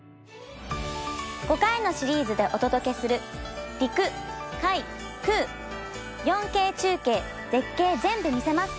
５回のシリーズでお届けする「陸・海・空４Ｋ中継絶景ぜんぶ見せます！